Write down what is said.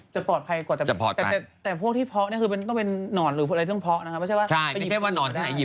จะปลอดภัยกว่าแต่พวกที่เพาะเนี่ยคือต้องเป็นนอนหรืออะไร